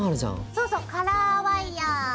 そうそうカラーワイヤー。